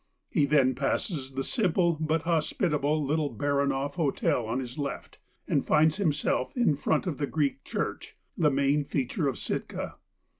He then passes the simple but hospitable little Baranoff hotel on his left, and finds himself in front of the Greek Church, the main feature of Sitka.